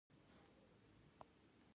دا کارخانه د موټر جوړولو لپاره ځانګړې شوې وه